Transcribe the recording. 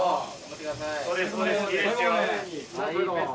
そうです